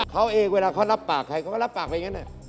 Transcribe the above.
เค้าเองเวลาเค้ารับปากแบบนั้นแบบนั้นน